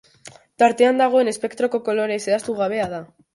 Tartean dagoen espektroko kolore zehaztu gabea da.